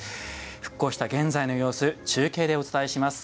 復興した現在の様子中継でお伝えします。